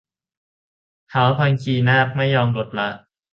ท้าวพังคีนาคไม่ยอมลดละ